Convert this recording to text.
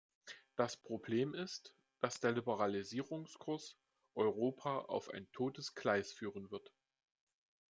Das Problem ist, dass der Liberalisierungskurs Europa auf ein totes Gleis führen wird.